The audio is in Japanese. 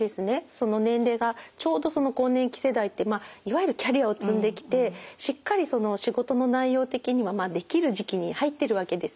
年齢がちょうど更年期世代っていわゆるキャリアを積んできてしっかり仕事の内容的にはできる時期に入ってるわけですね。